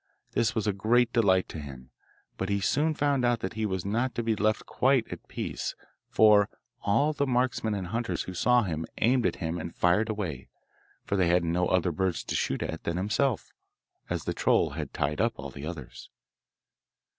This was a great delight to him, but he soon found out that he was not to be left quite at peace, for all the marksmen and hunters who saw him aimed at him and fired away, for they had no other birds to shoot at than himself, as the troll had tied up all the others.